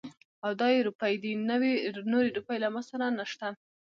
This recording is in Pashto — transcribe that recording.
او دا يې روپۍ دي. نورې روپۍ له ما سره نشته.